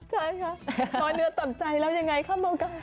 ใช่ค่ะอร่อยเหนือต่ำใจแล้วยังไงคะเมาข์